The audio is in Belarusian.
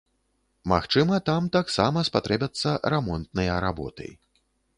Магчыма, там таксама спатрэбяцца рамонтныя работы.